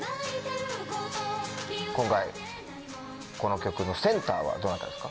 今回この曲のセンターはどなたですか？